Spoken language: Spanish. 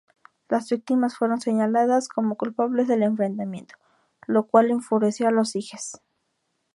Las víctimas fueron señaladas como culpables del enfrentamiento, lo cual enfureció a los sijes.